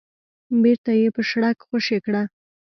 بېرته يې په شړک خوشې کړه.